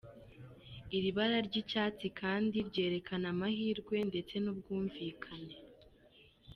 Iri bara ry’ icyatsi kandi ryerekana amahirwe ndetse n’ ubwumvikane .